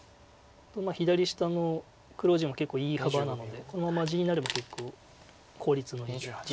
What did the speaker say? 左下の黒地も結構いい幅なのでこのまま地になれば結構効率いいです。